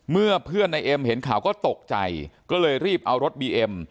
เมื่อเพื่อนในเอ็มเห็นข่าวก็ตกใจก็เลยรีบเอารถบีเอ็ม